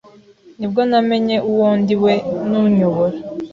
nibwo namenye uwo ndi we nunyobora,